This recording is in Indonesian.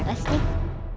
tidak dia menangis